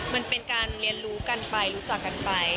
มันเป็นการเรียนรู้กันไปรู้จักกันไป